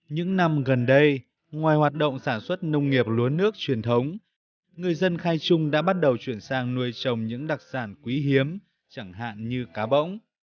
những năm gần đây ngoài hoạt động sản xuất nông nghiệp lúa nước truyền thống người dân khai trung đã bắt đầu chuyển sang nuôi trồng những đặc sản quý hiếm chẳng hạn như cá bỗng